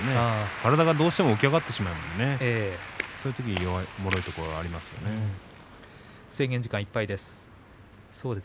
体がどうしても起き上がってしまうとねそういうとき制限時間いっぱいです。